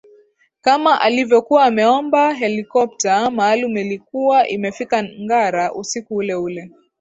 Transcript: Kama alivyokuwa ameomba helikopta maalumu ilikuwa imefika Ngara usiku uleule